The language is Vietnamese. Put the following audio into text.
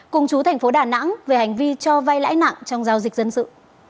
cùng chú thành phố đà nẵng về hành vi cho vay lãi nặng trong giao dịch dân sự